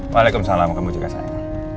waalaikumsalam kamu juga sayang